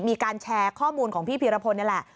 มีการแชร์ข้อมูลของพี่พีรพลนี่แหละ